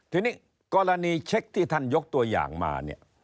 ทีนี้กรณีเช็คที่ท่านยกตัวอย่างมาเนี่ย